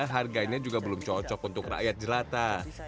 harganya juga belum cocok untuk rakyat jelata